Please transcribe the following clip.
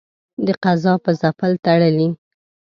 د قضا په ځېل تړلی.